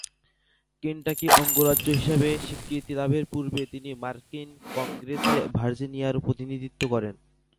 Kentucky অঙ্গরাজ্য হিসেবে স্বীকৃতি লাভের পূর্বে তিনি মার্কিন কংগ্রেসে ভার্জিনিয়ার প্রতিনিধিত্ব করেন।